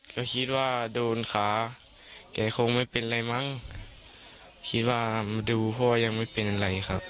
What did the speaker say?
ก็คิดว่าโดนขาแกคงไม่เป็นไรมั้งคิดว่ามาดูพ่อยังไม่เป็นอะไรครับ